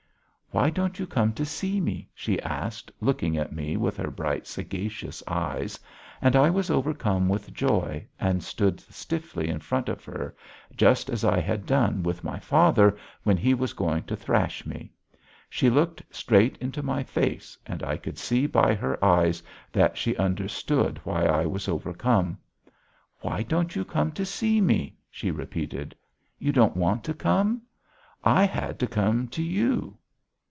"Why don't you come to see me?" she asked, looking at me with her bright sagacious eyes, and I was overcome with joy and stood stiffly in front of her, just as I had done with my father when he was going to thrash me; she looked straight into my face and I could see by her eyes that she understood why I was overcome. "Why don't you come to see me?" she repeated. "You don't want to come? I had to come to you."